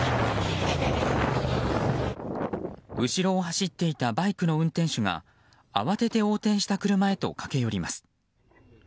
後ろを走っていたバイクの運転手が慌てて横転した車へと駆け寄ります。